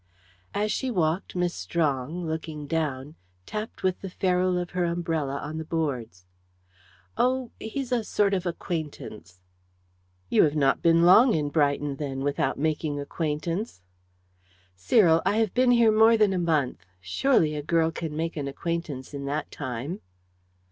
As she walked Miss Strong, looking down, tapped with the ferrule of her umbrella on the boards. "Oh! he's a sort of acquaintance." "You have not been long in Brighton, then, without making acquaintance?" "Cyril! I have been here more than a month. Surely a girl can make an acquaintance in that time?"